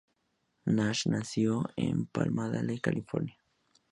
Nash nació en Palmdale, California.